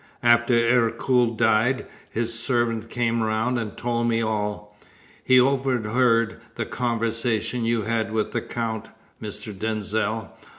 After Ercole died, his servant came round and told me all he overheard the conversation you had with the Count, Mr. Denzil.